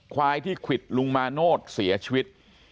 ควายที่ควิดลุงมาโนธเสียชีวิต